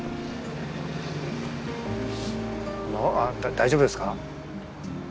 大丈夫ですか？